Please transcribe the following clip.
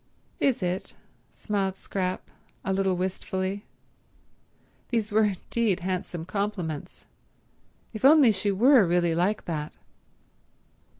"Is it?" smiled Scrap, a little wistfully. These were indeed handsome compliments. If only she were really like that